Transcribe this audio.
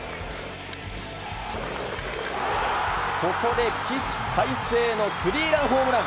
ここで起死回生のスリーランホームラン。